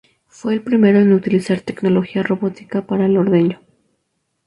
Fue el primero en utilizar tecnología robótica para el ordeño.